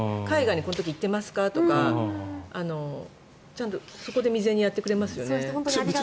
この時海外に行ってましたか？とかちゃんと、そこで未然にやってくれますよね。